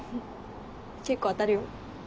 結構当たるよ。